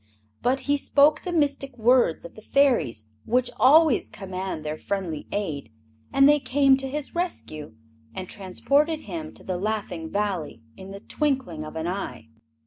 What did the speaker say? But he spoke the mystic words of the Fairies, which always command their friendly aid, and they came to his rescue and transported him to the Laughing Valley in the twinkling of an eye.